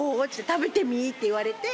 食べてみ」って言われて。